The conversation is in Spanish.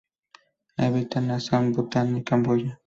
Habita en Assam, Bután y Camboya.